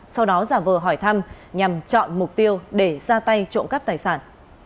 sau đó giả vờ hỏi thăm nhằm chọn mục tiêu để ra tay trộm cắp tài sản